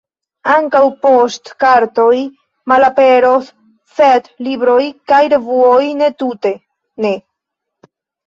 Ankaŭ poŝtkartoj malaperos, sed libroj kaj revuoj, ne, tute ne!